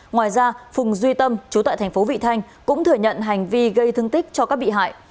ngoài ra phùng duy tâm chú tại thành phố vị thanh cũng thừa nhận hành vi gây thương tích cho các bị hại